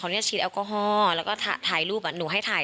เนี่ยฉีดแอลกอฮอล์แล้วก็ถ่ายรูปหนูให้ถ่าย